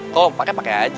kalo mau pake pake aja